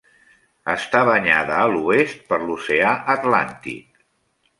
Està banyada a l'oest per l'oceà Atlàntic.